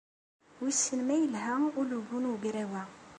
Wissen ma yelha ulugu n ugraw-a?